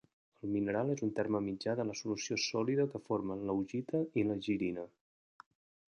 El mineral és un terme mitjà de la solució sòlida que formen l'augita i l'egirina.